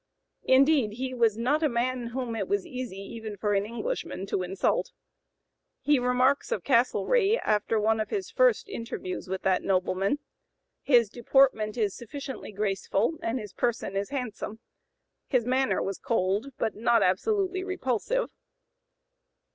Indeed, he was not a man whom it was easy even for an Englishman to insult. He remarks of Castlereagh, after one of his first interviews with that nobleman: "His deportment is sufficiently graceful, and his person is handsome. His manner was cold, but not absolutely repulsive."